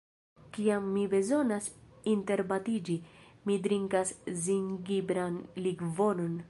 Kiam mi bezonas interbatiĝi, mi drinkas zingibran likvoron.